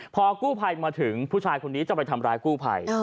พอกู้ภัยมาถึงผู้ชายคนนี้จะไปทำร้ายกู้ภัย